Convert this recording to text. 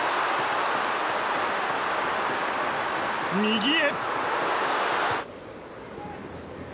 右へ。